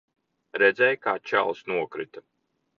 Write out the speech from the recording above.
Redzēji, kā čalis nokrita?